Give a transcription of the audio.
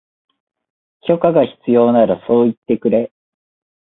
許可が必要ならそう言ってくれ